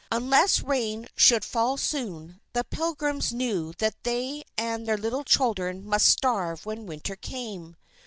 Unless rain should fall soon, the Pilgrims knew that they and their little children must starve when Winter came.